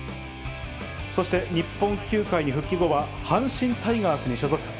そして日本球界に復帰後は、阪神タイガースに所属。